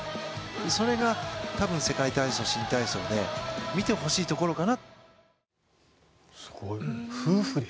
それが多分、世界体操・新体操で見てほしいところかな。